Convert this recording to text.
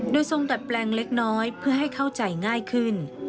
โดยทรงดัดแปลงเล็กน้อยเพื่อให้เข้าใจง่ายขึ้น